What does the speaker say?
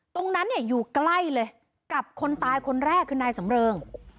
ตรงนั้นเนี่ยอยู่ใกล้เลยกับคนตายคนแรกคือนายสำเริง